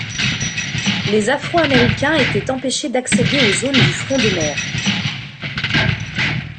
Les Afro-Américains étaient empêchés d'accéder aux zones du front de mer.